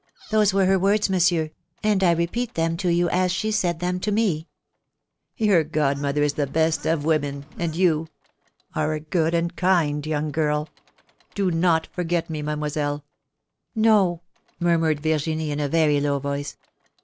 Those were her words, Monsieur; and I repeat them to you as she said them to me.'' ^^Your godmother is the best of women, and you — you are a good and kind young girl. Do not forget me, Mademoiselle!" No," murmured Virginie, in a very low voice.